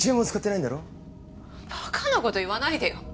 バカな事言わないでよ。